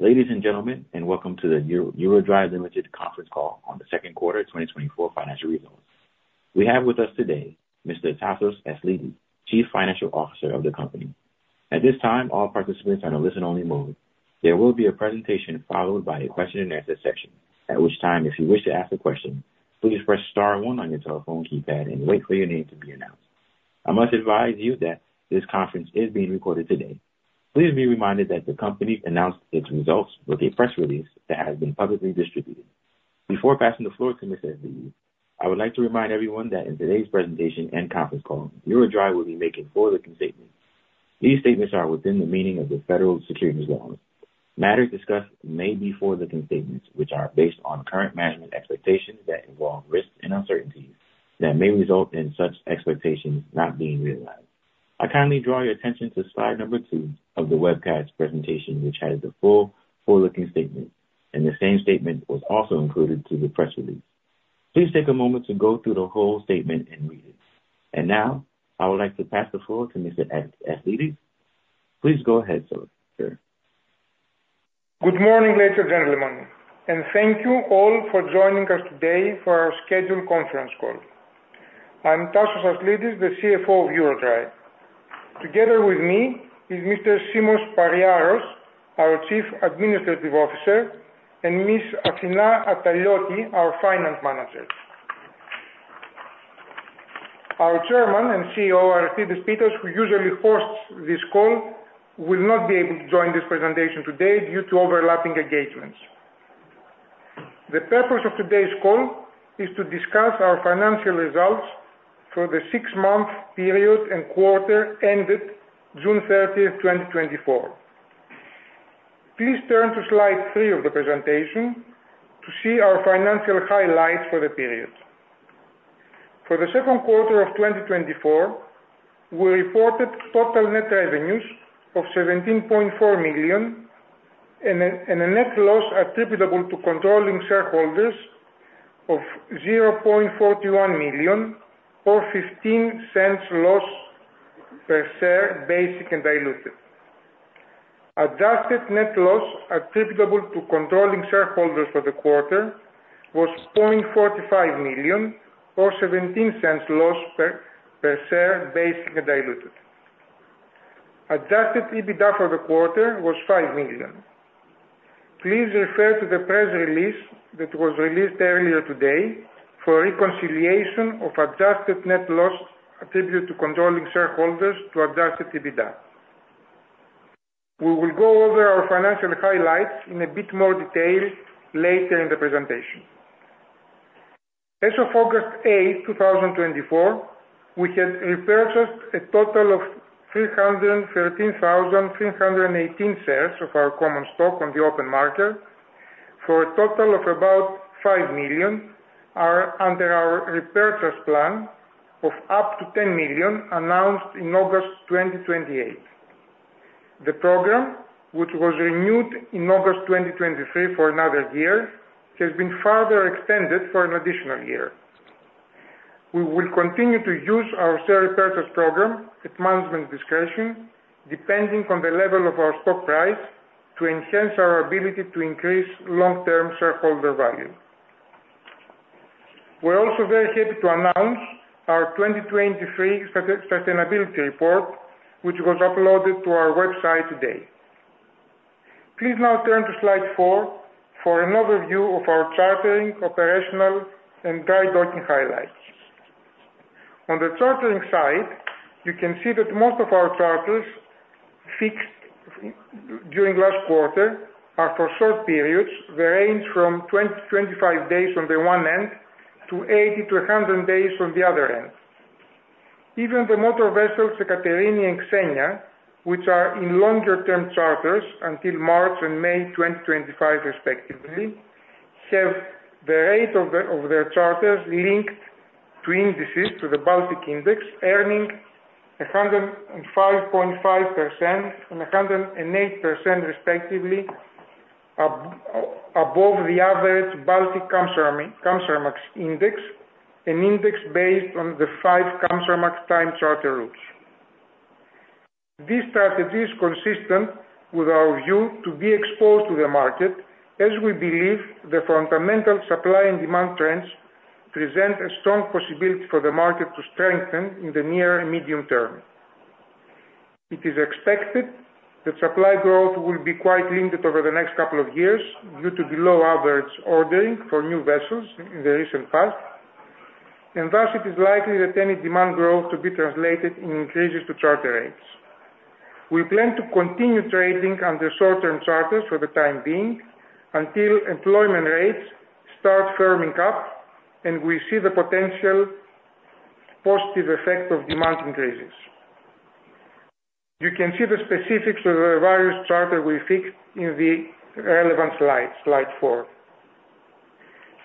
Ladies and gentlemen, welcome to the EuroDry Limited Conference Call on the second quarter of 2024 financial results. We have with us today Mr. Tasos Aslidis, Chief Financial Officer of the company. At this time, all participants are in a listen-only mode. There will be a presentation followed by a question and answer section, at which time, if you wish to ask a question, please press star one on your telephone keypad and wait for your name to be announced. I must advise you that this conference is being recorded today. Please be reminded that the company announced its results with a press release that has been publicly distributed. Before passing the floor to Mr. Aslidis, I would like to remind everyone that in today's presentation and conference call, EuroDry will be making forward-looking statements. These statements are within the meaning of the Federal Securities Law. Matters discussed may be forward-looking statements, which are based on current management expectations that involve risks and uncertainties that may result in such expectations not being realized. I kindly draw your attention to slide number two of the webcast presentation, which has the full forward-looking statement, and the same statement was also included to the press release. Please take a moment to go through the whole statement and read it. Now, I would like to pass the floor to Mr. Aslidis. Please go ahead, sir. Good morning, ladies and gentlemen, and thank you all for joining us today for our scheduled conference call. I'm Tasos Aslidis, the CFO of EuroDry. Together with me is Mr. Simos Pariaros, our Chief Administrative Officer, and Ms. Athina Attalioti, our Finance Manager. Our Chairman and CEO, Aristides Pittas, who usually hosts this call, will not be able to join this presentation today due to overlapping engagements. The purpose of today's call is to discuss our financial results for the six-month period and quarter ended June 30, 2024. Please turn to slide three of the presentation to see our financial highlights for the period. For the second quarter of 2024, we reported total net revenues of $17.4 million and a net loss attributable to controlling shareholders of $0.41 million or $0.15 loss per share, basic and diluted. Adjusted net loss attributable to controlling shareholders for the quarter was $0.45 million or $0.17 loss per share, basic and diluted. Adjusted EBITDA for the quarter was $5 million. Please refer to the press release that was released earlier today for a reconciliation of adjusted net loss attributed to controlling shareholders to adjusted EBITDA. We will go over our financial highlights in a bit more detail later in the presentation. As of August 8, 2024, we had repurchased a total of 313,318 shares of our common stock on the open market for a total of about $5 million are under our repurchase plan of up to $10 million, announced in August 2028. The program, which was renewed in August 2023 for another year, has been further extended for an additional year. We will continue to use our share repurchase program at management's discretion, depending on the level of our stock price, to enhance our ability to increase long-term shareholder value. We're also very happy to announce our 2023 sustainability report, which was uploaded to our website today. Please now turn to slide four for an overview of our chartering, operational, and dry docking highlights. On the chartering side, you can see that most of our charters fixed during last quarter are for short periods that range from 20-25 days on the one end, to 80-100 days on the other end. Even the motor vessels, Ekaterini and Xenia, which are in longer-term charters until March and May 2025 respectively, have the rate of the, of their charters linked to indices, to the Baltic Index, earning 105.5% and 108% respectively, above the average Baltic Kamsarmax Index, an index based on the five Kamsarmax time charter routes. This strategy is consistent with our view to be exposed to the market, as we believe the fundamental supply and demand trends present a strong possibility for the market to strengthen in the near and medium term. It is expected that supply growth will be quite limited over the next couple of years due to the low average ordering for new vessels in the recent past, and thus it is likely that any demand growth will be translated in increases to charter rates. We plan to continue trading under short-term charters for the time being, until employment rates start firming up and we see the potential positive effect of demand increases. You can see the specifics of the various charters we fixed in the relevant slide, slide four.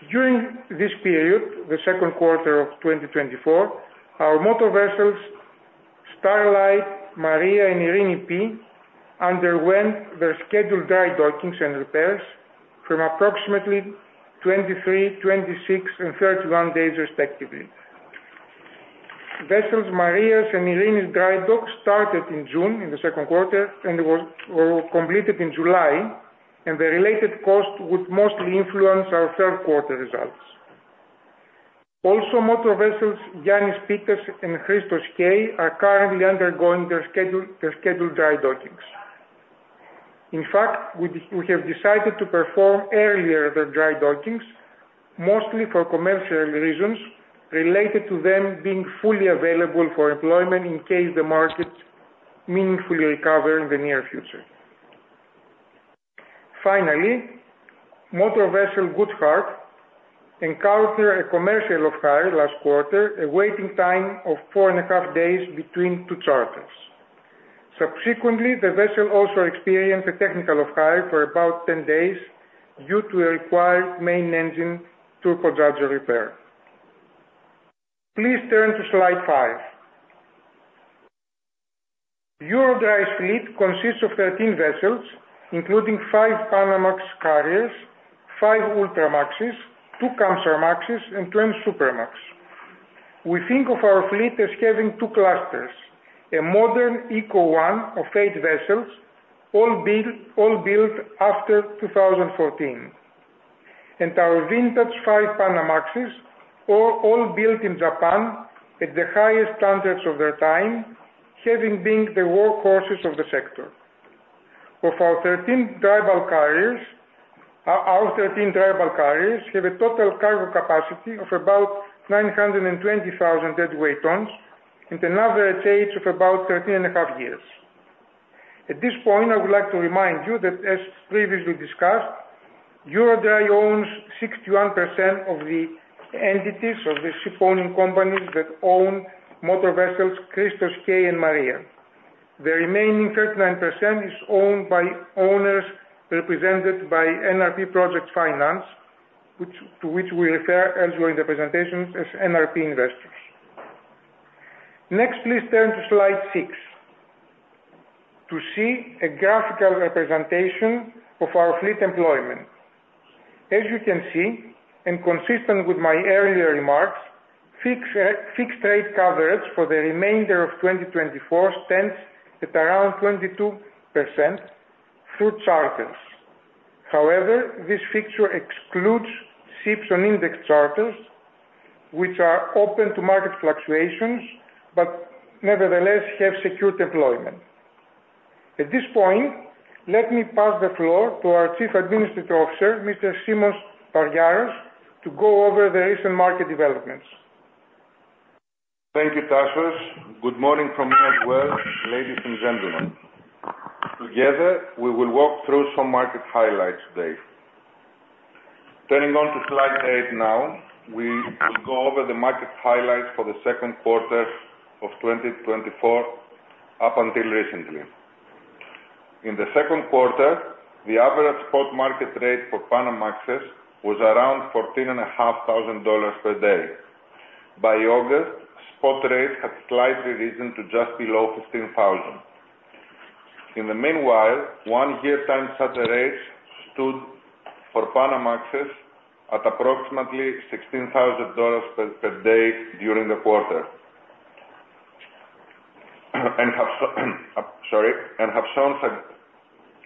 During this period, the second quarter of 2024, our motor vessels, Starlight, Maria, and Eirini P, underwent their scheduled dry dockings and repairs for approximately 23, 26, and 31 days respectively. Vessels Maria's and Eirini P's dry dock started in June, in the second quarter, and were completed in July, and the related cost would mostly influence our third quarter results. Also, motor vessels Yannis Pittas and Christos K are currently undergoing their scheduled dry dockings. In fact, we have decided to perform earlier the dry dockings, mostly for commercial reasons related to them being fully available for employment in case the market meaningfully recover in the near future. Finally, motor vessel Good Heart encounter a commercial off hire last quarter, a waiting time of four and a half days between two charters. Subsequently, the vessel also experienced a technical off hire for about 10 days due to a required main engine turbocharger repair. Please turn to slide five. EuroDry's fleet consists of 13 vessels, including five Panamax carriers, five Ultramaxes, two Kamsarmaxes, and 12 Supramax. We think of our fleet as having two clusters: a modern eco one of eigth vessels, all built after 2014, and our vintage five Panamaxes, all built in Japan at the highest standards of their time, having been the workhorses of the sector. Of our 13 dry bulk carriers, our 13 dry bulk carriers have a total cargo capacity of about 920,000 deadweight tons and an average age of about 13.5 years. At this point, I would like to remind you that, as previously discussed, EuroDry owns 61% of the entities of the shipowning companies that own motor vessels, Christos K. and Maria. The remaining 39% is owned by owners represented by NRP Project Finance, to which we refer elsewhere in the presentation as NRP investors. Next, please turn to slide six to see a graphical representation of our fleet employment. As you can see, and consistent with my earlier remarks, fixed rate, fixed rate coverage for the remainder of 2024 stands at around 22% through charters. However, this fixture excludes ships on index charters, which are open to market fluctuations, but nevertheless have secure deployment. At this point, let me pass the floor to our Chief Administrative Officer, Mr. Simos Pariaros, to go over the recent market developments. Thank you, Tasos. Good morning from me as well, ladies and gentlemen. Together, we will walk through some market highlights today. Turning on to slide eigth now, we will go over the market highlights for the second quarter of 2024, up until recently. In the second quarter, the average spot market rate for Panamax was around $14,500 per day. By August, spot rates had slightly risen to just below $15,000. In the meanwhile, one-year time charter rates stood for Panamax at approximately $16,000 per day during the quarter. And have shown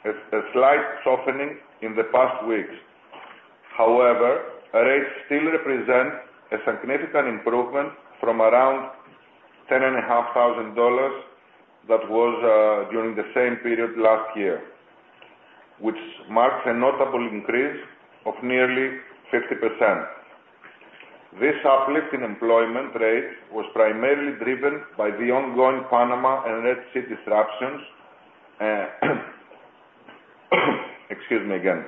a slight softening in the past weeks. However, rates still represent a significant improvement from around $10,500 that was during the same period last year, which marks a notable increase of nearly 50%. This uplift in employment rate was primarily driven by the ongoing Panama and Red Sea disruptions, excuse me again.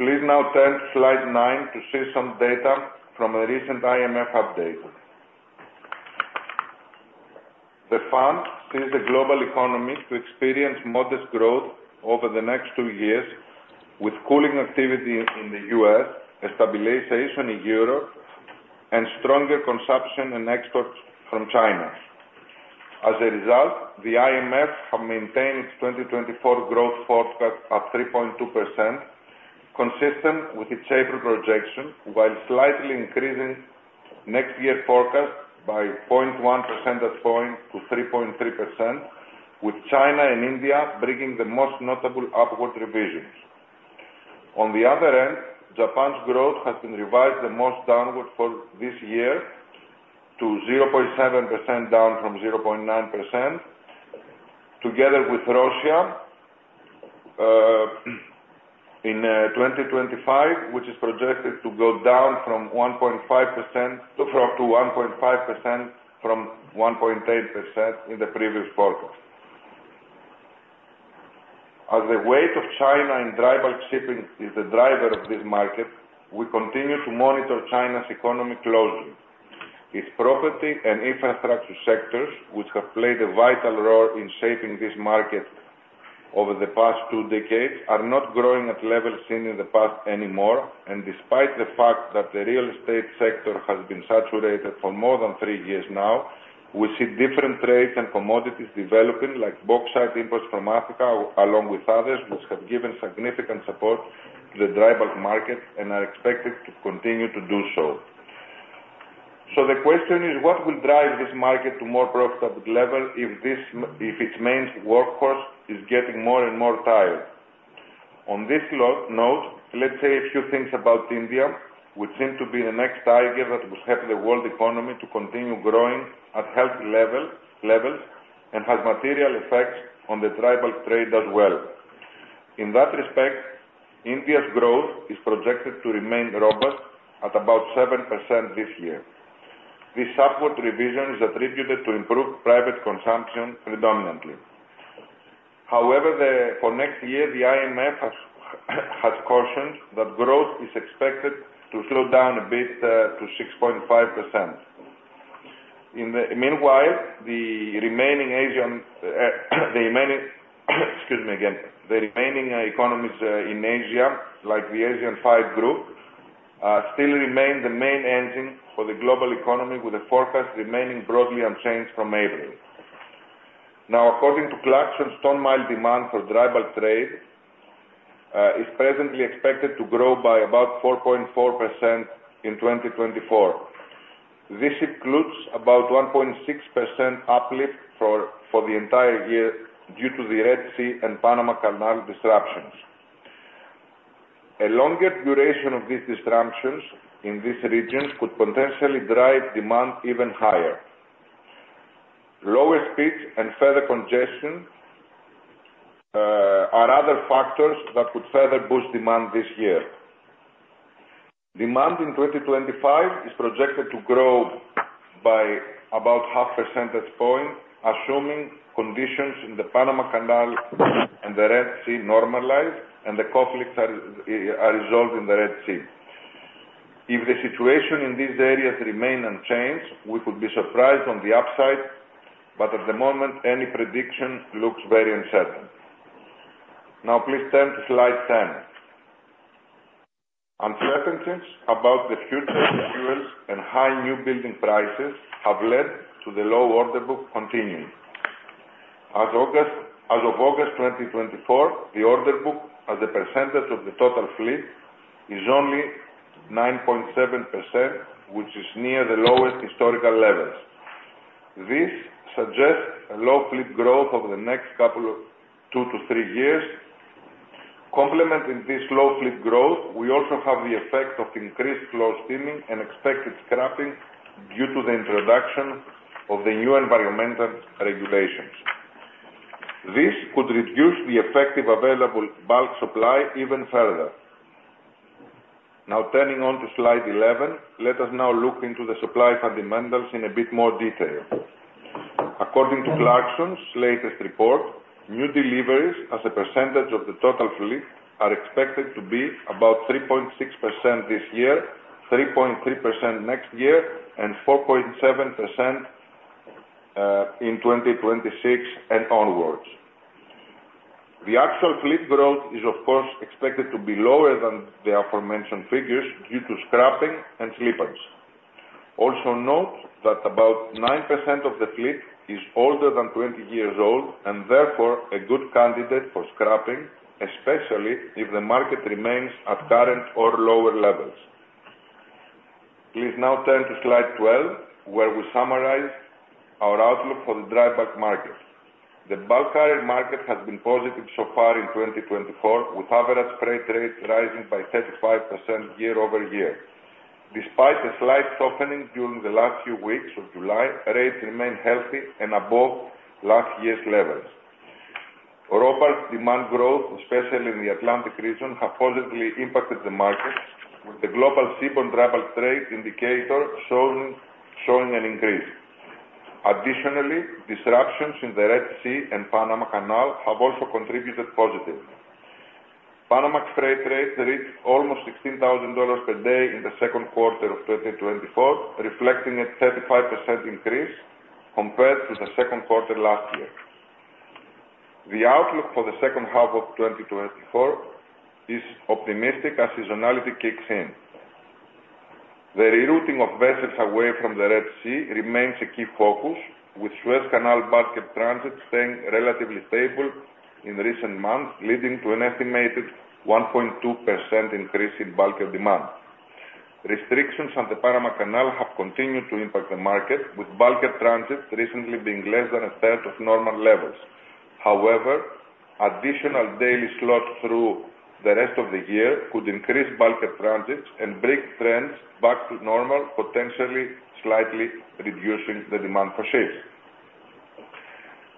Please now turn to slide nine to see some data from a recent IMF update. The fund sees the global economy to experience modest growth over the next two years, with cooling activity in the U.S., a stabilization in Europe, and stronger consumption and exports from China. As a result, the IMF have maintained its 2024 growth forecast at 3.2%, consistent with its April projection, while slightly increasing next year forecast by 0.1% that's going to 3.3%, with China and India bringing the most notable upward revisions. On the other end, Japan's growth has been revised the most downward for this year to 0.7%, down from 0.9%, together with Russia, in 2025, which is projected to go down from 1.5%, to 1.5% from 1.8% in the previous forecast. As the weight of China in dry bulk shipping is the driver of this market, we continue to monitor China's economy closely. Its property and infrastructure sectors, which have played a vital role in shaping this market over the past two decades, are not growing at levels seen in the past anymore, and despite the fact that the real estate sector has been saturated for more than three years now-... We see different trades and commodities developing, like bauxite imports from Africa, along with others, which have given significant support to the dry bulk market and are expected to continue to do so. So the question is: What will drive this market to more profitable level if this, if its main workforce is getting more and more tired? On this low note, let's say a few things about India, which seem to be the next tiger that will help the world economy to continue growing at healthy levels, and has material effects on the dry bulk trade as well. In that respect, India's growth is projected to remain robust at about 7% this year. This upward revision is attributed to improved private consumption predominantly. However, for next year, the IMF has cautioned that growth is expected to slow down a bit to 6.5%. In the meanwhile, excuse me again. The remaining economies in Asia, like the ASEAN-5 group, still remain the main engine for the global economy, with the forecast remaining broadly unchanged from April. Now, according to Clarkson, ton-mile demand for dry bulk trade is presently expected to grow by about 4.4% in 2024. This includes about 1.6% uplift for the entire year due to the Red Sea and Panama Canal disruptions. A longer duration of these disruptions in this region could potentially drive demand even higher. Lower speeds and further congestion are other factors that could further boost demand this year. Demand in 2025 is projected to grow by about 0.5 percentage points, assuming conditions in the Panama Canal and the Red Sea normalize and the conflicts are resolved in the Red Sea. If the situation in these areas remain unchanged, we could be surprised on the upside, but at the moment, any prediction looks very uncertain. Now please turn to slide 10. Uncertainties about the future of fuels and high new building prices have led to the low order book continuing. As of August 2024, the order book, as a percentage of the total fleet, is only 9.7%, which is near the lowest historical levels. This suggests a low fleet growth over the next couple of two to three years. Complementing this low fleet growth, we also have the effect of increased slow steaming and expected scrapping due to the introduction of the new environmental regulations. This could reduce the effective available bulk supply even further. Now, turning to slide 11, let us now look into the supply fundamentals in a bit more detail. According to Clarksons' latest report, new deliveries as a percentage of the total fleet are expected to be about 3.6% this year, 3.3% next year, and 4.7% in 2026 and onwards. The actual fleet growth is, of course, expected to be lower than the aforementioned figures due to scrapping and slippage. Also note that about 9% of the fleet is older than 20 years old and therefore a good candidate for scrapping, especially if the market remains at current or lower levels. Please now turn to slide 12, where we summarize our outlook for the dry bulk market. The bulk carrier market has been positive so far in 2024, with average freight rates rising by 35% year-over-year. Despite a slight softening during the last few weeks of July, rates remain healthy and above last year's levels. Robust demand growth, especially in the Atlantic region, have positively impacted the market, with the global seaborne travel trade indicator showing an increase. Additionally, disruptions in the Red Sea and Panama Canal have also contributed positive. Panamax freight rates reached almost $16,000 per day in the second quarter of 2024, reflecting a 35% increase compared to the second quarter last year. The outlook for the second half of 2024 is optimistic as seasonality kicks in. The rerouting of vessels away from the Red Sea remains a key focus, with Suez Canal bulker transit staying relatively stable in recent months, leading to an estimated 1.2% increase in bulker demand. Restrictions on the Panama Canal have continued to impact the market, with bulker transits recently being less than a third of normal levels. However, additional daily slots through the rest of the year could increase bulker transits and bring trends back to normal, potentially slightly reducing the demand for ships.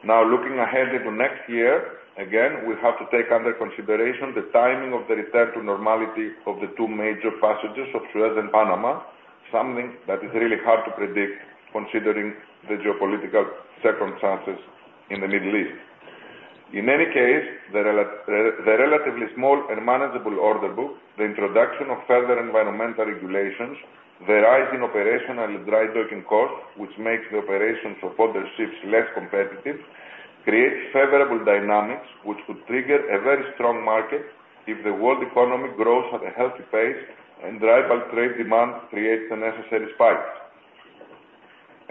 Now, looking ahead into next year, again, we have to take under consideration the timing of the return to normality of the two major passages of Suez and Panama, something that is really hard to predict considering the geopolitical circumstances in the Middle East. In any case, the relatively small and manageable order book, the introduction of further environmental regulations, the rise in operational and dry docking costs, which makes the operations of older ships less competitive, creates favorable dynamics, which could trigger a very strong market if the world economy grows at a healthy pace and dry bulk trade demand creates the necessary spikes.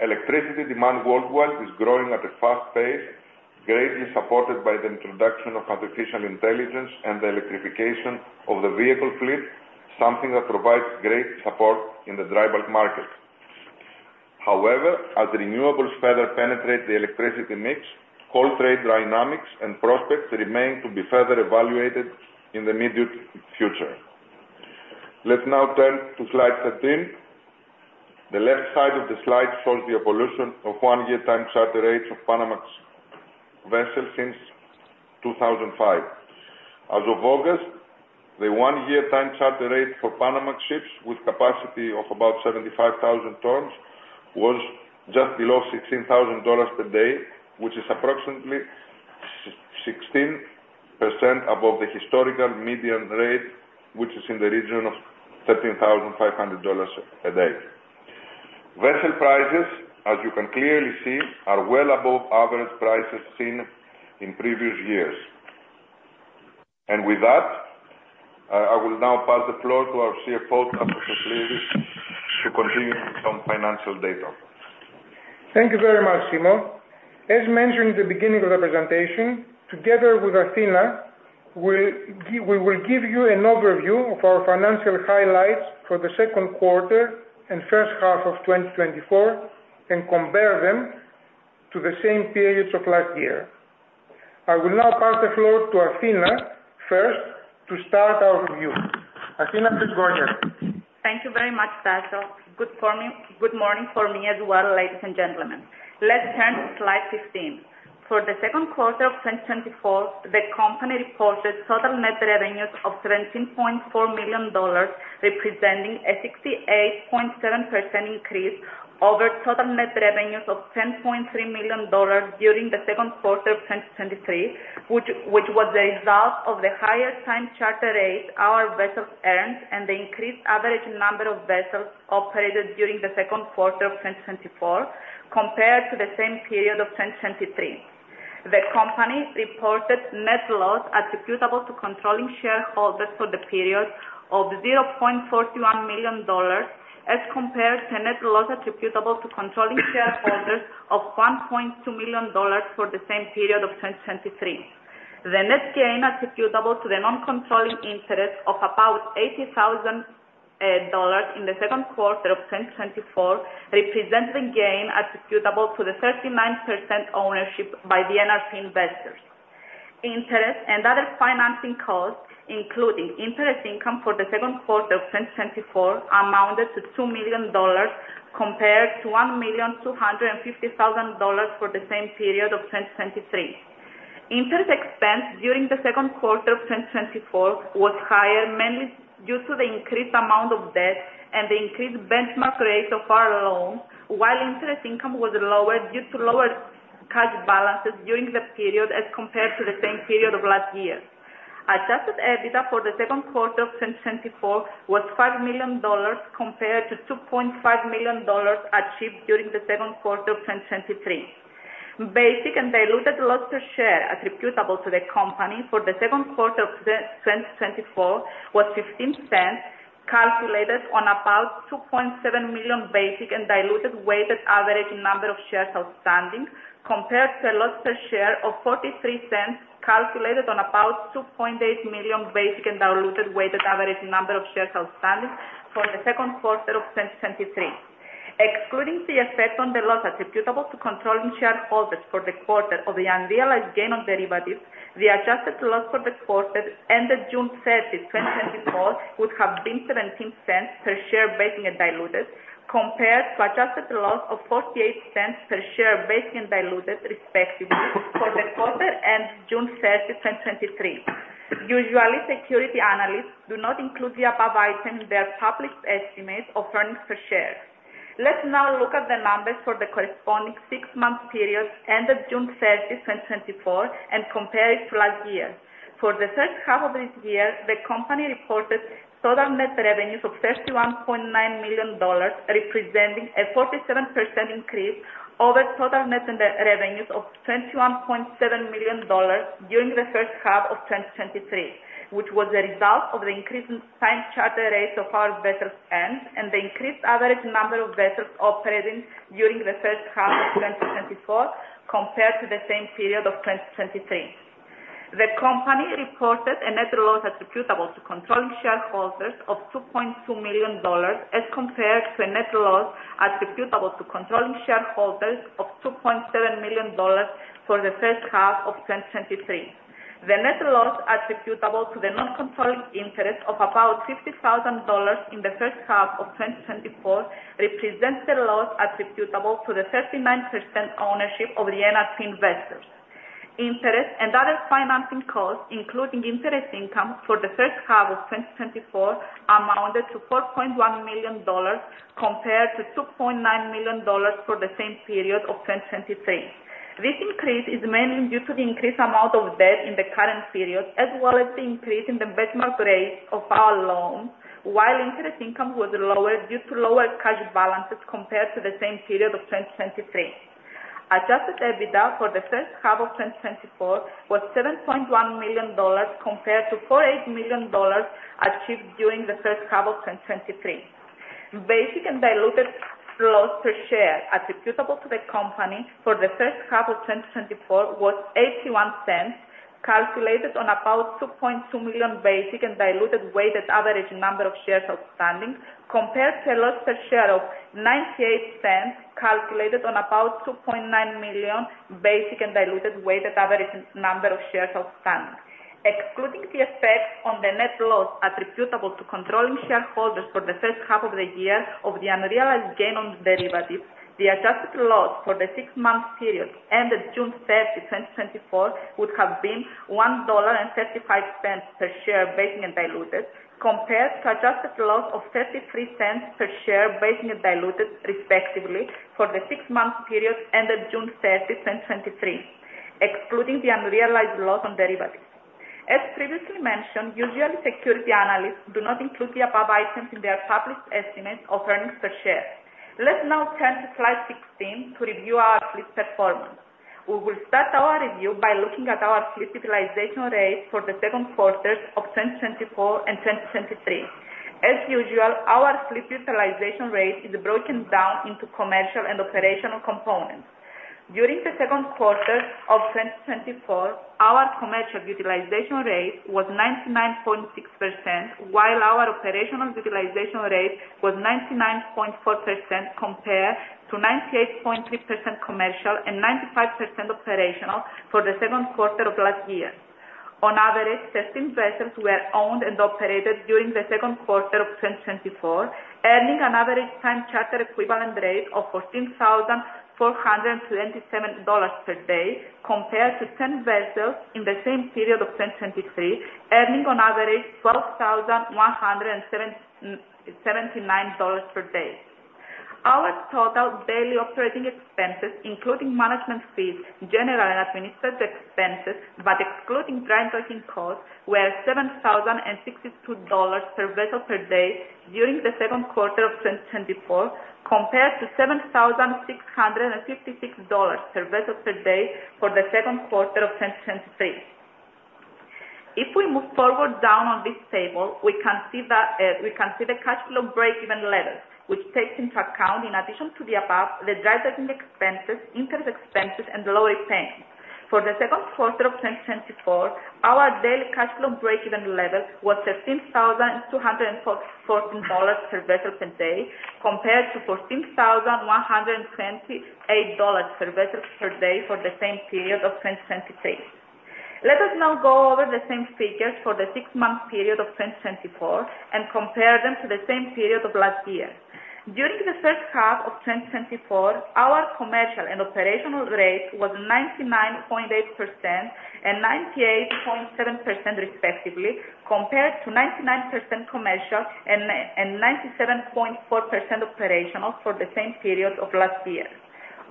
Electricity demand worldwide is growing at a fast pace, greatly supported by the introduction of artificial intelligence and the electrification of the vehicle fleet, something that provides great support in the dry bulk market. However, as renewables further penetrate the electricity mix, coal trade dynamics and prospects remain to be further evaluated in the immediate future. Let's now turn to slide 13. The left side of the slide shows the evolution of one-year time charter rates of Panamax vessels since 2005. As of August, the one-year time charter rate for Panamax ships with capacity of about 75,000 tons was just below $16,000 per day, which is approximately 16% above the historical median rate, which is in the region of $13,500 a day. Vessel prices, as you can clearly see, are well above average prices seen in previous years. With that, I will now pass the floor to our CFO, Tasos Aslidis, to continue with some financial data. Thank you very much, Simos. As mentioned in the beginning of the presentation, together with Athina, we will give you an overview of our financial highlights for the second quarter and first half of 2024, and compare them to the same periods of last year. I will now pass the floor to Athina first to start our review. Athina, please go ahead. Thank you very much, Tasos. Good morning for me as well, ladies and gentlemen. Let's turn to slide 15. For the second quarter of 2024, the company reported total net revenues of $13.4 million, representing a 68.7% increase over total net revenues of $10.3 million during the second quarter of 2023, which was the result of the higher time charter rates our vessels earned and the increased average number of vessels operated during the second quarter of 2024, compared to the same period of 2023. The company reported net loss attributable to controlling shareholders for the period of $0.41 million, as compared to net loss attributable to controlling shareholders of $1.2 million for the same period of 2023. The net gain attributable to the non-controlling interest of about $80,000 in the second quarter of 2024 represent the gain attributable to the 39% ownership by the NRP investors. Interest and other financing costs, including interest income for the second quarter of 2024, amounted to $2 million, compared to $1.25 million for the same period of 2023. Interest expense during the second quarter of 2024 was higher, mainly due to the increased amount of debt and the increased benchmark rate of our loan, while interest income was lower due to lower cash balances during the period as compared to the same period of last year. Adjusted EBITDA for the second quarter of 2024 was $5 million, compared to $2.5 million achieved during the second quarter of 2023. Basic and diluted loss per share attributable to the company for the second quarter of 2024 was $0.15, calculated on about 2.7 million basic and diluted weighted average number of shares outstanding, compared to a loss per share of $0.43, calculated on about 2.8 million basic and diluted weighted average number of shares outstanding from the second quarter of 2023. Excluding the effect on the loss attributable to controlling shareholders for the quarter of the unrealized gain on derivatives, the adjusted loss for the quarter ended June 30, 2024, would have been $0.17 per share, basic and diluted, compared to adjusted loss of $0.48 per share, basic and diluted, respectively, for the quarter ended June 30, 2023. Usually, securities analysts do not include the above item in their published estimates of earnings per share. Let's now look at the numbers for the corresponding six-month period ended June 30, 2024, and compare it to last year. For the first half of this year, the company reported total net revenues of $31.9 million, representing a 47% increase over total net revenues of $21.7 million during the first half of 2023, which was a result of the increased time charter rates of our vessels earned and the increased average number of vessels operating during the first half of 2024, compared to the same period of 2023. The company reported a net loss attributable to controlling shareholders of $2.2 million, as compared to a net loss attributable to controlling shareholders of $2.7 million for the first half of 2023. The net loss attributable to the non-controlling interest of about $50,000 in the first half of 2024 represents the loss attributable to the 39% ownership of the NRP investors. Interest and other financing costs, including interest income for the first half of 2024, amounted to $4.1 million, compared to $2.9 million for the same period of 2023. This increase is mainly due to the increased amount of debt in the current period, as well as the increase in the benchmark rate of our loan, while interest income was lower due to lower cash balances compared to the same period of 2023. Adjusted EBITDA for the first half of 2024 was $7.1 million compared to $4.8 million achieved during the first half of 2023. Basic and diluted loss per share attributable to the company for the first half of 2024 was $0.81, calculated on about 2.2 million basic and diluted weighted average number of shares outstanding, compared to a loss per share of $0.98, calculated on about 2.9 million basic and diluted weighted average number of shares outstanding. Excluding the effect on the net loss attributable to controlling shareholders for the first half of the year of the unrealized gain on derivatives, the adjusted loss for the six-month period ended June 30, 2024, would have been $1.35 per share, basic and diluted, compared to adjusted loss of $0.33 per share, basic and diluted, respectively, for the six-month period ended June 30, 2023, excluding the unrealized loss on derivatives. As previously mentioned, usually securities analysts do not include the above items in their published estimates of earnings per share. Let's now turn to slide 16 to review our fleet performance. We will start our review by looking at our fleet utilization rate for the second quarter of 2024 and 2023. As usual, our fleet utilization rate is broken down into commercial and operational components. During the second quarter of 2024, our commercial utilization rate was 99.6%, while our operational utilization rate was 99.4%, compared to 98.3% commercial and 95% operational for the second quarter of last year. On average, 13 vessels were owned and operated during the second quarter of 2024, earning an average time charter equivalent rate of $14,427 per day, compared to 10 vessels in the same period of 2023, earning on average $12,177 per day. Our total daily operating expenses, including management fees, general and administrative expenses, but excluding dry docking costs, were $7,062 per vessel per day during the second quarter of 2024, compared to $7,656 per vessel per day for the second quarter of 2023. If we move forward down on this table, we can see that, we can see the cash flow break-even level, which takes into account, in addition to the above, the dry docking expenses, interest expenses and loan repayments. For the second quarter of 2024, our daily cash flow break-even level was $13,214 per vessel per day, compared to $14,128 per vessel per day for the same period of 2023. Let us now go over the same figures for the six-month period of 2024 and compare them to the same period of last year. During the first half of 2024, our commercial and operational rate was 99.8% and 98.7%, respectively, compared to 99% commercial and 97.4% operational for the same period of last year.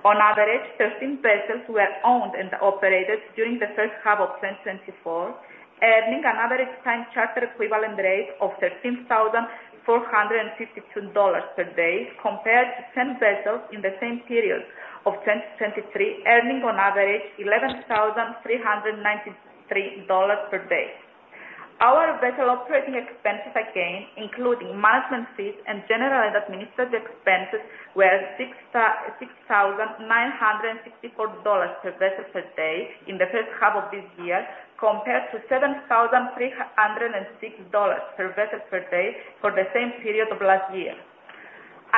On average, 13 vessels were owned and operated during the first half of 2024, earning another time charter equivalent rate of $13,452 per day, compared to 10 vessels in the same period of 2023, earning on average $11,393 per day. Our vessel operating expenses, again, including management fees and general and administrative expenses, were $6,964 per vessel per day in the first half of this year, compared to $7,306 per vessel per day for the same period of last year.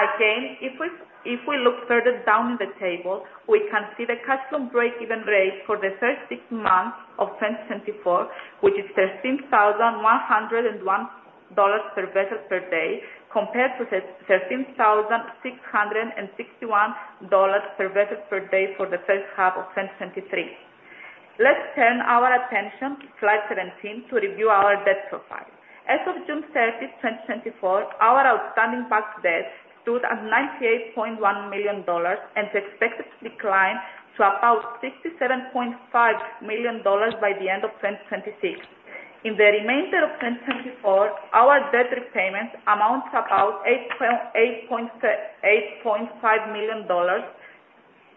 Again, if we, if we look further down the table, we can see the cash flow break-even rate for the first six months of 2024, which is $13,101 per vessel per day, compared to thirteen thousand six hundred and sixty-one dollars per vessel per day for the first half of 2023. Let's turn our attention to slide 17 to review our debt profile. As of June 30, 2024, our outstanding bond debt stood at $98.1 million and is expected to decline to about $67.5 million by the end of 2026. In the remainder of 2024, our debt repayments amount to about $8.5 million.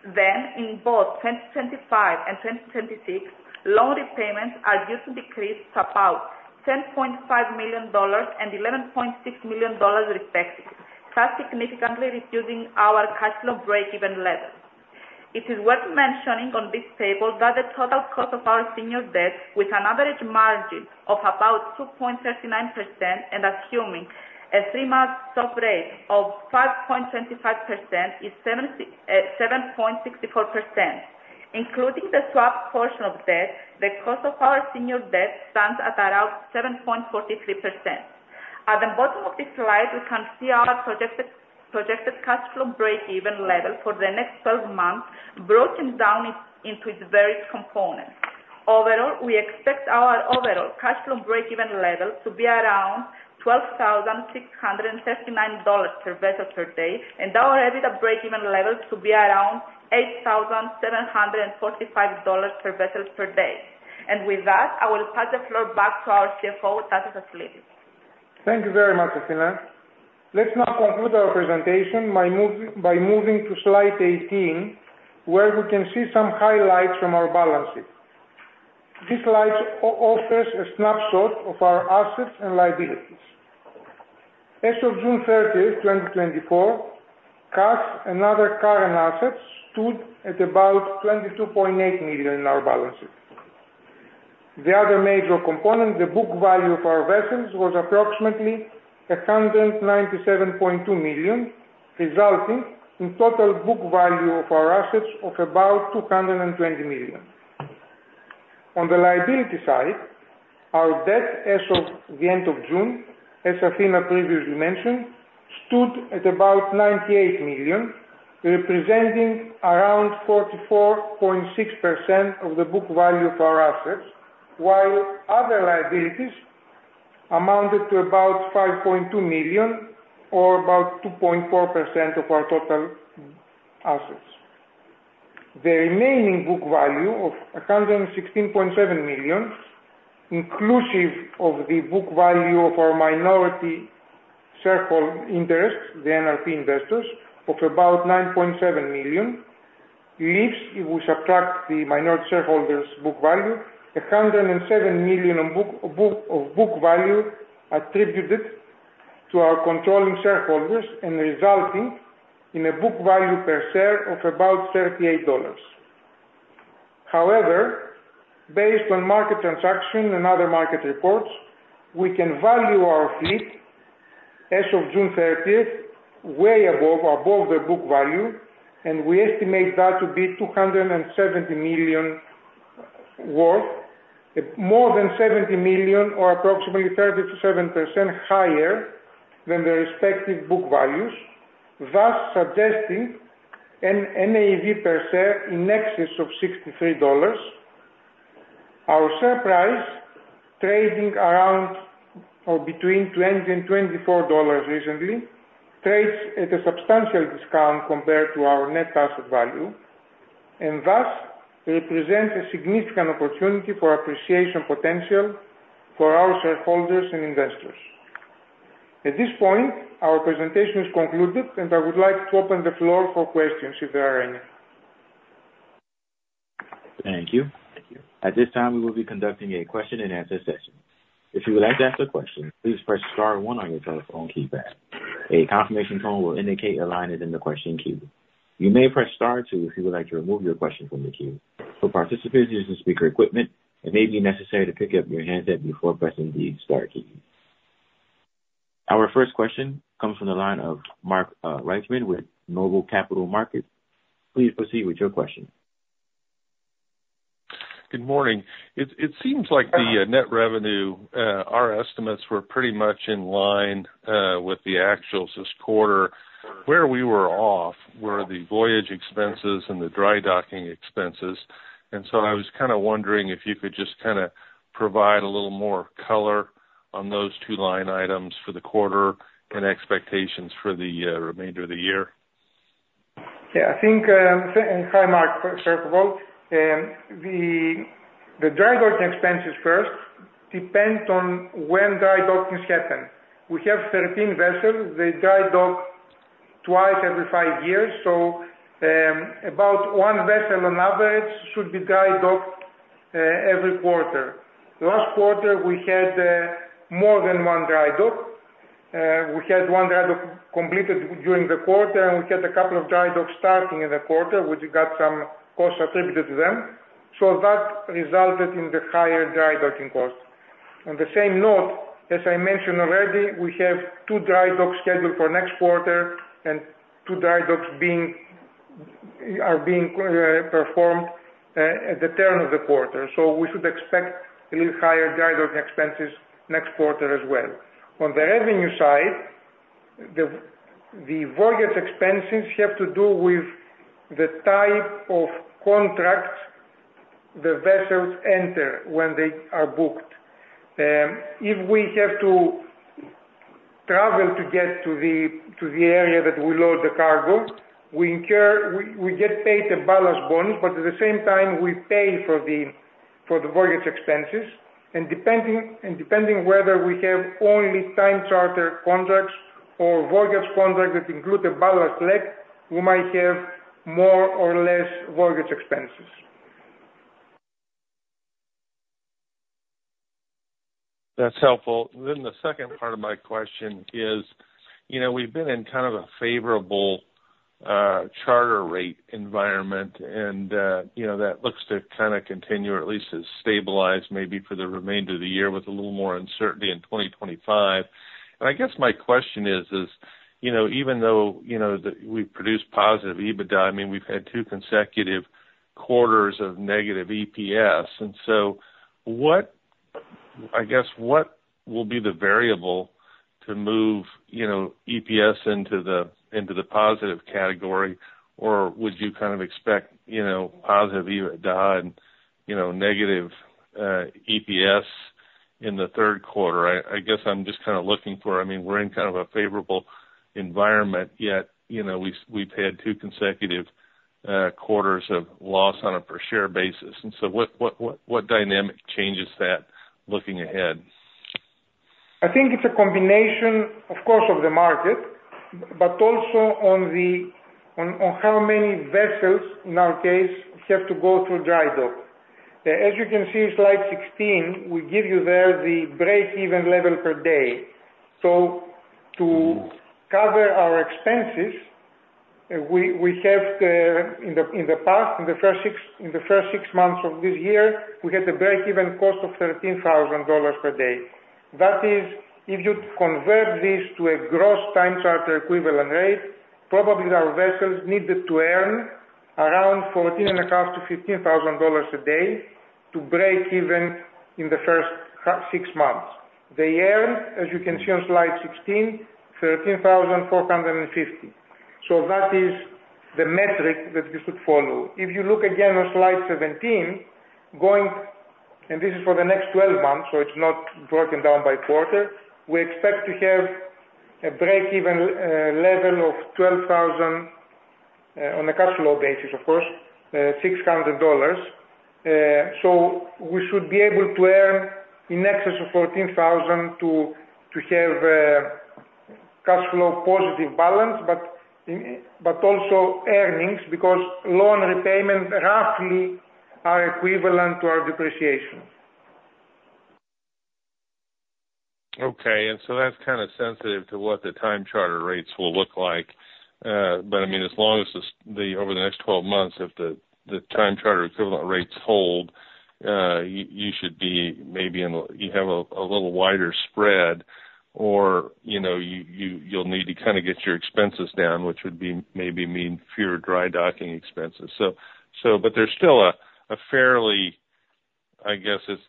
Then, in both 2025 and 2026, loan repayments are due to decrease to about $10.5 million and $11.6 million respectively, thus significantly reducing our cash flow break-even level. It is worth mentioning on this table that the total cost of our senior debt, with an average margin of about 2.39% and assuming a three-month SOFR rate of 5.25%, is 7.64%. Including the swap portion of debt, the cost of our senior debt stands at around 7.43%. At the bottom of this slide, we can see our projected cash flow break-even level for the next 12 months, broken down into its various components. Overall, we expect our overall cash flow break-even level to be around $12,659 per vessel per day, and our EBITDA break-even level to be around $8,745 per vessels per day. With that, I will pass the floor back to our CFO, Tasos Aslidis. ...Thank you very much, Athina. Let's now conclude our presentation by moving to slide 18, where we can see some highlights from our balance sheet. This slide offers a snapshot of our assets and liabilities. As of June 30, 2024, cash and other current assets stood at about $22.8 million in our balance sheet. The other major component, the book value of our vessels, was approximately $197.2 million, resulting in total book value of our assets of about $220 million. On the liability side, our debt as of the end of June, as Athena previously mentioned, stood at about $98 million, representing around 44.6% of the book value of our assets, while other liabilities amounted to about $5.2 million, or about 2.4% of our total assets. The remaining book value of $116.7 million, inclusive of the book value of our minority shareholder interests, the NRP investors, of about $9.7 million, leaves, if we subtract the minority shareholders' book value, $107 million on book value attributed to our controlling shareholders and resulting in a book value per share of about $38. However, based on market transaction and other market reports, we can value our fleet as of June 30th way above the book value, and we estimate that to be $270 million worth, more than $70 million or approximately 37% higher than the respective book values, thus suggesting an NAV per share in excess of $63. Our share price, trading around or between $20 and $24 recently, trades at a substantial discount compared to our net asset value, and thus represents a significant opportunity for appreciation potential for our shareholders and investors. At this point, our presentation is concluded, and I would like to open the floor for questions, if there are any. Thank you. At this time, we will be conducting a question-and-answer session. If you would like to ask a question, please press star one on your telephone keypad. A confirmation tone will indicate your line is in the question queue. You may press star two if you would like to remove your question from the queue. For participants using speaker equipment, it may be necessary to pick up your handset before pressing the star key. Our first question comes from the line of Mark Reichman with Noble Capital Markets. Please proceed with your question. Good morning. It seems like the net revenue, our estimates were pretty much in line with the actuals this quarter. Where we were off were the voyage expenses and the dry docking expenses. And so I was kind of wondering if you could just kind of provide a little more color on those two line items for the quarter and expectations for the remainder of the year. Yeah, I think, hi, Mark, first of all, the dry docking expenses first depend on when dry dockings happen. We have 13 vessels. They dry dock twice every five years, so, about one vessel on average should be dry docked every quarter. Last quarter, we had more than one dry dock. We had one dry dock completed during the quarter, and we had a couple of dry docks starting in the quarter, which got some costs attributed to them. So that resulted in the higher dry docking costs. On the same note, as I mentioned already, we have two dry docks scheduled for next quarter and two dry docks that are being performed at the turn of the quarter. So we should expect a little higher dry docking expenses next quarter as well. On the revenue side, the voyage expenses have to do with the type of contracts the vessels enter when they are booked. If we have to travel to get to the area that we load the cargo, we get paid a ballast bonus, but at the same time, we pay for the voyage expenses. And depending whether we have only time charter contracts or voyage contracts that include the ballast leg, we might have more or less voyage expenses. That's helpful. Then the second part of my question is, you know, we've been in kind of a favorable, charter rate environment, and, you know, that looks to kind of continue or at least to stabilize maybe for the remainder of the year with a little more uncertainty in 2025. And I guess my question is, you know, even though, you know, we've produced positive EBITDA, I mean, we've had two consecutive quarters of negative EPS, and so what, I guess, what will be the variable to move, you know, EPS into the, into the positive category? Or would you kind of expect, you know, positive EBITDA and, you know, negative, EPS in the third quarter? I guess I'm just kind of looking for... I mean, we're in kind of a favorable environment, yet, you know, we've had two consecutive-... quarters of loss on a per share basis. And so what dynamic changes that looking ahead? I think it's a combination, of course, of the market, but also on how many vessels, in our case, have to go through dry dock. As you can see, slide 16, we give you there the breakeven level per day. So to cover our expenses, we have, in the past, in the first six months of this year, we had a breakeven cost of $13,000 per day. That is, if you convert this to a gross time charter equivalent rate, probably our vessels needed to earn around $14,500-$15,000 a day to break even in the first six months. They earned, as you can see on slide 16, $13,450. So that is the metric that we should follow. If you look again on slide 17, and this is for the next 12 months, so it's not broken down by quarter. We expect to have a breakeven level of 12,000 on a cash flow basis, of course, $600. So we should be able to earn in excess of 14,000 to have cash flow positive balance, but also earnings, because loan repayment roughly are equivalent to our depreciation. Okay. And so that's kind of sensitive to what the time charter rates will look like. But I mean, as long as this, over the next 12 months, if the time charter equivalent rates hold, you should be maybe in a, you have a little wider spread or, you know, you'll need to kind of get your expenses down, which would maybe mean fewer dry docking expenses. So but there's still a fairly, I guess, it's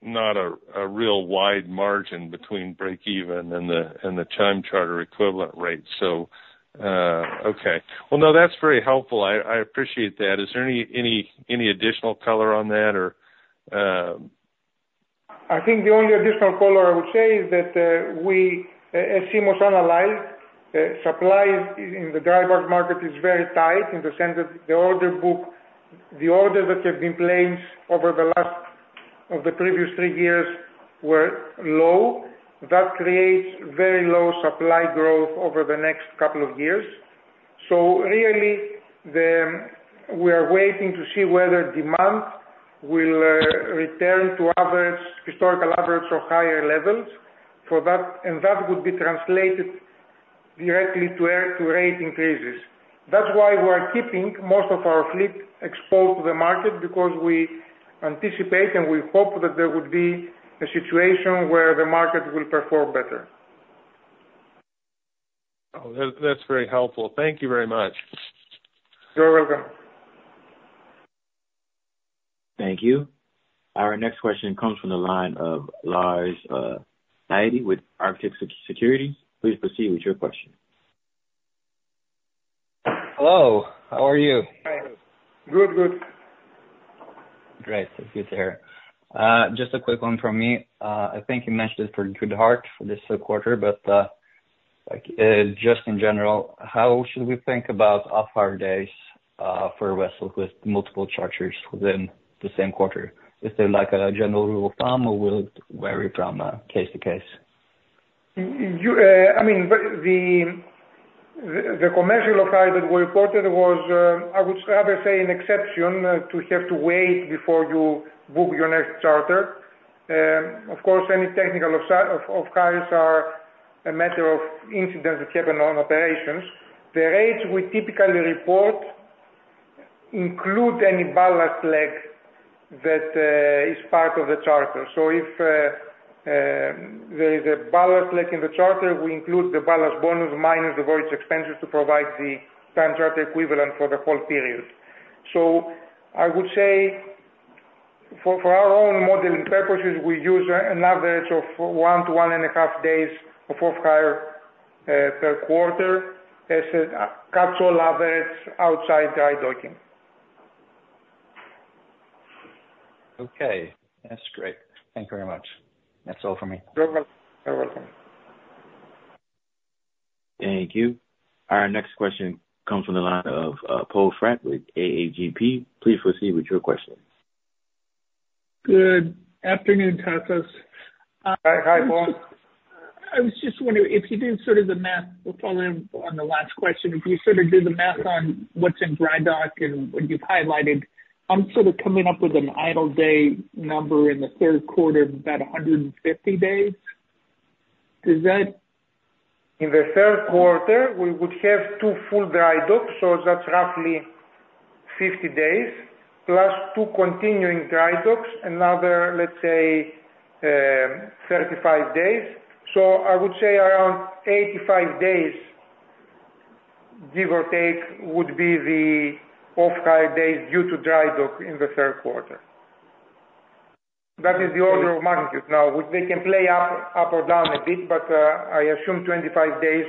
not a real wide margin between break-even and the time charter equivalent rate. So, okay. Well, no, that's very helpful. I appreciate that. Is there any additional color on that or? I think the only additional color I would say is that, we, as we analyzed, supply in the dry-dock market is very tight in the sense that the order book, the orders that have been placed over the last of the previous three years were low. That creates very low supply growth over the next couple of years. So really, the, we are waiting to see whether demand will return to average, historical average or higher levels. For that, and that would be translated directly to higher rate increases. That's why we are keeping most of our fleet exposed to the market, because we anticipate and we hope that there would be a situation where the market will perform better. Oh, that's very helpful. Thank you very much. You're welcome. Thank you. Our next question comes from the line of Lars Eide with Arctic Securities. Please proceed with your question. Hello. How are you? Good. Good. Great. It's good to hear. Just a quick one from me. I think you mentioned it for Good Heart for this quarter, but, like, just in general, how should we think about off-hire days for a vessel with multiple charters within the same quarter? Is there like a general rule of thumb or will it vary from case to case? The commercial off-hire that we reported was, I would rather say an exception, to have to wait before you book your next charter. Of course, any technical off-hires are a matter of incidents that happen on operations. The rates we typically report include any ballast leg that is part of the charter. So if there is a ballast leg in the charter, we include the ballast bonus minus the various expenses to provide the time charter equivalent for the whole period. So I would say for our own modeling purposes, we use an average of one to one and a half days of off-hire per quarter. That's a typical average outside dry docking. Okay, that's great. Thank you very much. That's all for me. You're welcome. You're welcome. Thank you. Our next question comes from the line of Poe Fratt with AGP. Please proceed with your question. Good afternoon, Tasos. Hi. Hi, Poe. I was just wondering if you did sort of the math... We'll follow in on the last question. If you sort of do the math on what's in dry dock and what you've highlighted, I'm sort of coming up with an idle day number in the third quarter, about 150 days. Is that? In the third quarter, we would have two full dry docks, so that's roughly 50 days, plus two continuing dry docks, another, let's say, 35 days. So I would say around 85 days, give or take, would be the off-hire days due to dry dock in the third quarter. That is the order of magnitude. Now, they can play up or down a bit, but I assume 25 days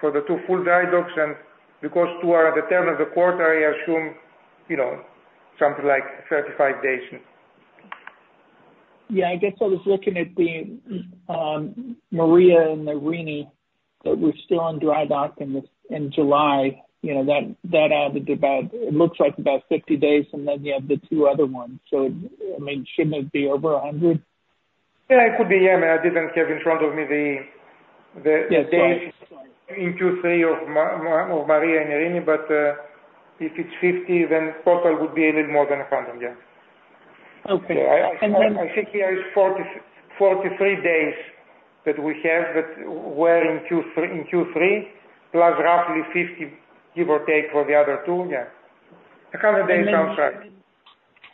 for the two full dry docks, and because two are at the end of the quarter, I assume, you know, something like 35 days.... Yeah, I guess I was looking at the Maria and the Irini that were still on dry dock in this in July. You know, that added about, it looks like about 50 days, and then you have the two other ones. So, I mean, shouldn't it be over 100? Yeah, it could be. Yeah, I mean, I didn't have in front of me the- Yeah. In Q3 of Maria and Eirini, but if it's $50, then total would be a little more than $100, yeah. Okay. And then- I think here is 40-43 days that we have that were in Q3, in Q3, plus roughly 50, give or take, for the other two. Yeah. 100 days on track.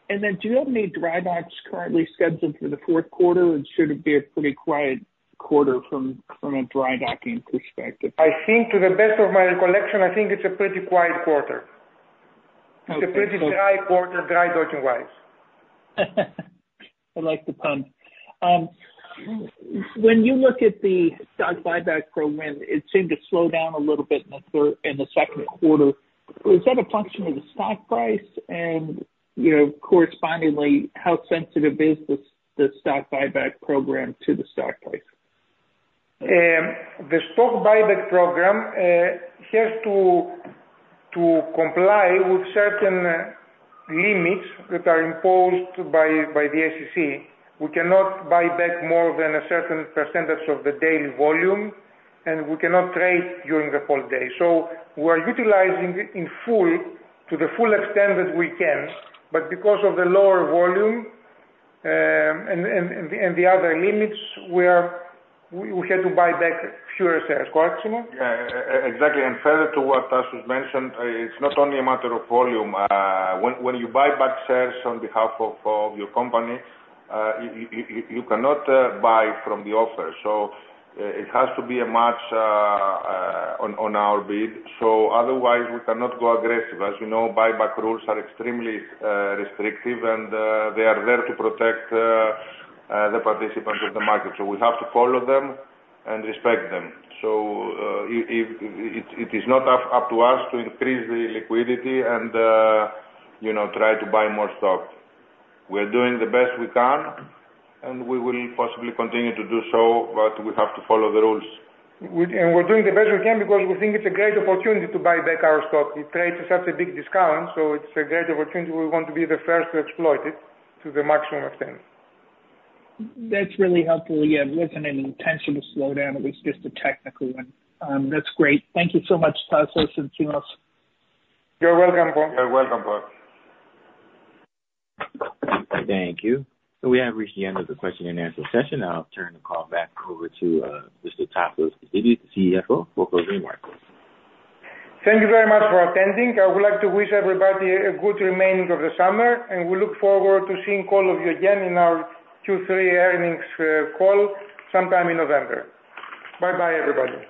Do you have any dry docks currently scheduled for the fourth quarter, or should it be a pretty quiet quarter from a dry docking perspective? I think to the best of my recollection, I think it's a pretty quiet quarter. Okay. It's a pretty dry quarter, dry docking wise. I like the pun. When you look at the stock buyback program, it seemed to slow down a little bit in the second quarter. Was that a function of the stock price? You know, correspondingly, how sensitive is the stock buyback program to the stock price? The stock buyback program has to comply with certain limits that are imposed by the SEC. We cannot buy back more than a certain percentage of the daily volume, and we cannot trade during the whole day. So we are utilizing it in full, to the full extent that we can. But because of the lower volume, and the other limits, we are. We had to buy back fewer shares. Correct, Simos? Yeah, exactly. And further to what Tasos mentioned, it's not only a matter of volume. When you buy back shares on behalf of your company, you cannot buy from the offer, so it has to be a match on our bid. So otherwise we cannot go aggressive. As you know, buyback rules are extremely restrictive, and they are there to protect the participants of the market. So we have to follow them and respect them. So it is not up to us to increase the liquidity and, you know, try to buy more stock. We're doing the best we can, and we will possibly continue to do so, but we have to follow the rules. We're doing the best we can because we think it's a great opportunity to buy back our stock. We trade to such a big discount, so it's a great opportunity. We want to be the first to exploit it to the maximum extent. That's really helpful. Yeah, there wasn't any intention to slow down, it was just a technical one. That's great. Thank you so much, Tasos and Simos. You're welcome, Poe. You're welcome, Poe. Thank you. We have reached the end of the question and answer session. I'll turn the call back over to Mr. Tasos Aslidis, the CFO, for closing remarks. Thank you very much for attending. I would like to wish everybody a good remaining of the summer, and we look forward to seeing all of you again in our Q3 earnings call, sometime in November. Bye-bye, everybody.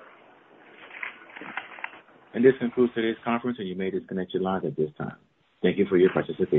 This concludes today's conference, and you may disconnect your line at this time. Thank you for your participation.